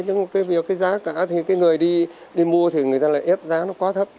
nhưng giá cá thì người đi mua thì người ta lại ép giá nó quá thấp